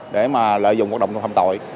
để mà lợi dụng hoạt động tòa phạm tội